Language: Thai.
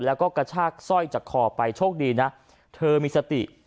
แล้วก็กระชากสร้อยจากคอไปโชคดีนะเธอมีสติ